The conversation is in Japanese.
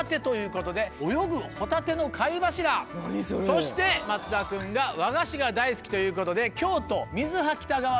そして松田君が和菓子が大好きということで京都。